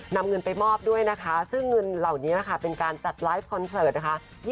นำเงินไปมอบด้วยนะคะซึ่งเงินเหล่านี้นะคะเป็นการจัดไลฟ์คอนเสิร์ตนะคะ